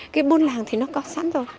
cái buôn làng thì nó có sẵn rồi